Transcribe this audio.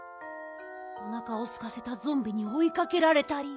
おなかをすかせたゾンビにおいかけられたり。